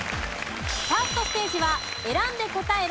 ファーストステージは選んで答えろ！